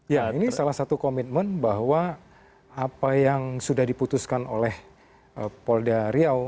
ya ini salah satu komitmen bahwa apa yang sudah diputuskan oleh polda riau